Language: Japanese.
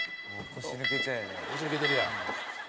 「腰抜けてるやん」